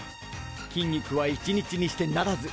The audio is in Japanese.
筋肉は一日にしてならず。